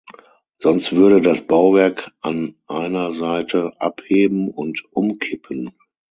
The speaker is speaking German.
Sonst würde das Bauwerk an einer Seite abheben und umkippen.